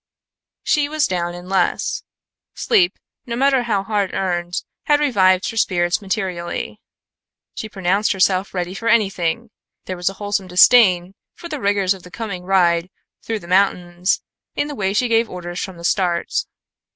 She was down in less. Sleep, no matter how hard earned, had revived her spirits materially. She pronounced herself ready for anything; there was a wholesome disdain for the rigors of the coming ride through the mountains in the way she gave orders for the start.